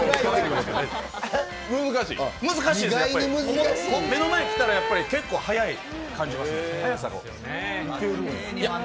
難しいです、意外にきたら結構、速く感じます。